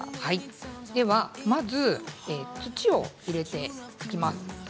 では、まず土を入れていきます。